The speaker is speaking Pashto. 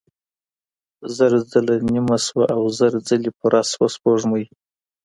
زر ځله نيمه سوه او زر ځله پوره سوه سپوږمۍ